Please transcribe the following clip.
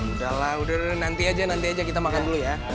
udah lah udah nanti aja kita makan dulu ya